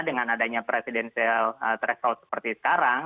dengan adanya presidensial threshold seperti sekarang